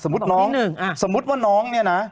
แพร่วาเนี่ยสมมุติว่าน้องเนี่ยนะ